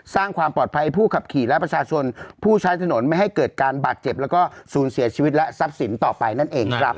สร้างความปลอดภัยผู้ขับขี่และประชาชนผู้ใช้ถนนไม่ให้เกิดการบาดเจ็บแล้วก็ศูนย์เสียชีวิตและทรัพย์สินต่อไปนั่นเองครับ